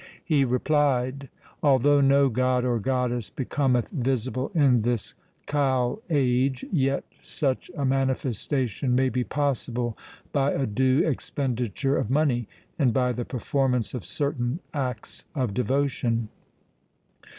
He replied, ' Although no god or goddess becometh visible in this Kal age, yet such a manifestation may be possible by a due expendi ture of money and by the performance of certain acts of devotion.